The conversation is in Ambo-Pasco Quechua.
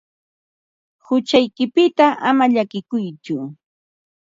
Huchaykipita ama llakikuytsu.